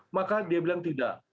maka dia bilang tidak